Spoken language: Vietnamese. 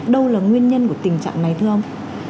đâu là nguyên nhân của tình trạng này thưa ông